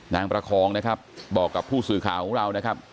ประคองนะครับบอกกับผู้สื่อข่าวของเรานะครับ